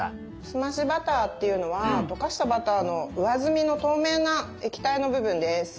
澄ましバターっていうのはとかしたバターの上澄みの透明な液体の部分です。